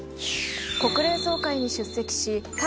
国連総会に出席し対